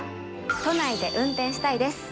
都内で運転したいです。